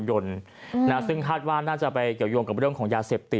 อยู่ข้างรถจักรยังยนต์